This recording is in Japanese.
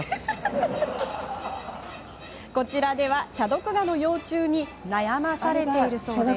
こちらでは、チャドクガの幼虫に悩まされているそうです。